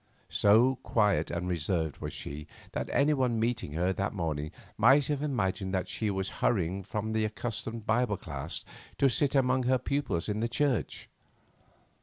So quiet and reserved was she that anyone meeting her that morning might have imagined that she was hurrying from the accustomed Bible class to sit among her pupils in the church.